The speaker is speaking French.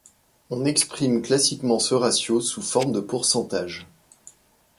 On exprime classiquement ce ratio sous forme de pourcentage.